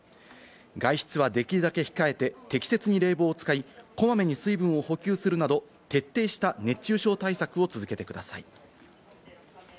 外出はできるだけ控えて適切に冷房を使い、こまめに水分を補給するなど、徹底した熱中症対策を続けてください。